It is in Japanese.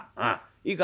いいか？